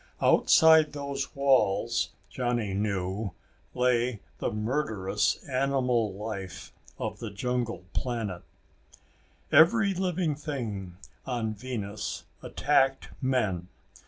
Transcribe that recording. Outside those walls, Johnny knew, lay the murderous animal life of the jungle planet. Every living thing on Venus attacked men.